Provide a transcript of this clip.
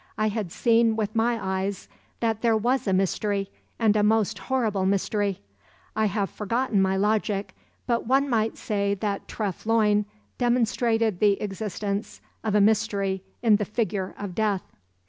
I had seen with my eyes that there was a mystery, and a most horrible mystery. I have forgotten my logic, but one might say that Treff Loyne demonstrated the existence of a mystery in the figure of Death.